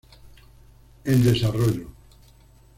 En desarrollo.